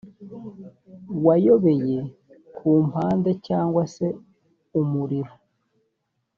wayobeye ku mpande cyangwa se umuriro